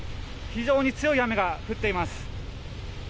非常に強い雨が降っています。